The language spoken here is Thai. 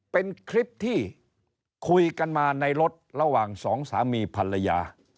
เป็นคลิปที่คุยกันมาในรถระหว่างสองสามีภรรยา